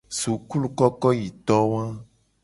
Sukulukokoyitowa.